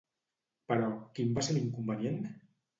Però, quin va ser l'inconvenient?